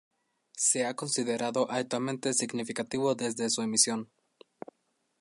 Se ha considerado altamente significativo desde su emisión.